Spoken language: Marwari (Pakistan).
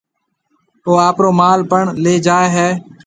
او آپرو مال پڻ ليَ جائيَ ھيََََ